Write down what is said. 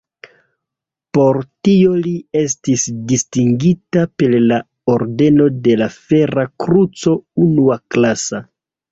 Por tio li estis distingita per la ordeno de la Fera Kruco unuaklasa.